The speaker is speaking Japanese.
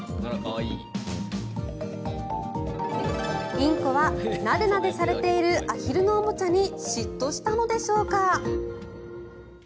インコはなでなでされているアヒルのおもちゃに嫉妬したのでしょうか？